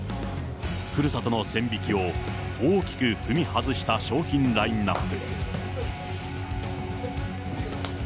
ふるさとの線引きを大きく踏み外した商品ラインナップ。